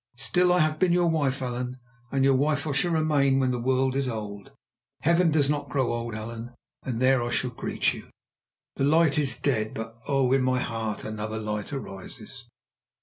Still I have been your wife, Allan, and your wife I shall remain when the world is old. Heaven does not grow old, Allan, and there I shall greet you. "The light is dead, but—oh!—in my heart another light arises!